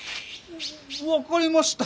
分かりました。